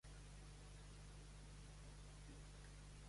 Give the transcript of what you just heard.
Civil i Penal, Contenciosa Administrativa i Social.